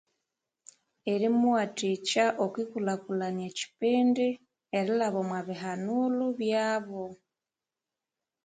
Erimuwathikya okwi kulhakulhania ekyipindi erilhaba omwabihanulhu byabu